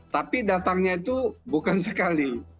tapi datangnya itu bukan sekali